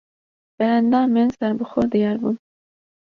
Berendamên serbixwe diyar bûn